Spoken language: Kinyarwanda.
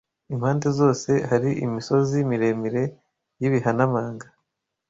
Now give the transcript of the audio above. Impande zose hari imisozi miremire y’ibihanamanga